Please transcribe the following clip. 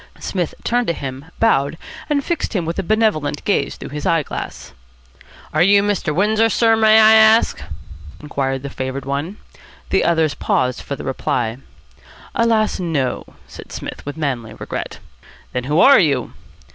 Psmith turned to him, bowed, and fixed him with a benevolent gaze through his eye glass. "Are you Mr. Windsor, sir, may I ask?" inquired the favoured one. The others paused for the reply. "Alas! no," said Psmith with manly regret. "Then who are you?"